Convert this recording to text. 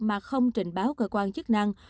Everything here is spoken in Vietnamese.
mà không trình báo cơ quan chức năng